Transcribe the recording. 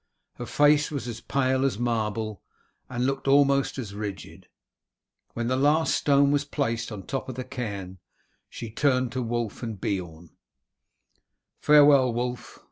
Her face was as pale as marble, and looked almost as rigid. When the last stone was placed on the top of the cairn she turned to Wulf and Beorn: "Farewell, Wulf!